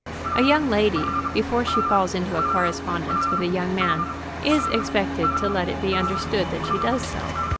A young lady, before she falls into a correspondence with a young man, is expected to let it be understood that she does so.